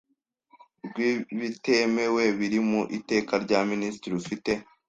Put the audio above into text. rw Ibitemewe biri mu Iteka rya Minisitiri ufite